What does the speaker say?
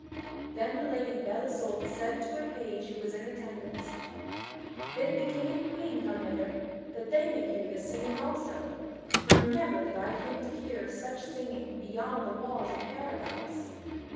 Then the Lady Belle Isoult said to a page who was in attendance: "Bid the King and Queen come hither, that they may hear this singing also, for never did I think to hear such singing beyond the walls of Paradise."